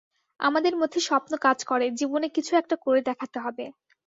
আমাদের মধ্যে স্বপ্ন কাজ করে, জীবনে কিছু একটা করে দেখাতে হবে।